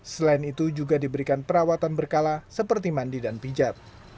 selain itu juga diberikan perawatan berkala seperti mandi dan pijat